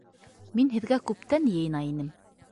Мин һеҙгә күптән йыйына инем.